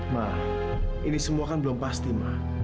ma ini semua kan belum pasti ma